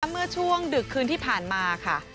เมื่อช่วงดึกคืนที่ผ่านมาค่ะ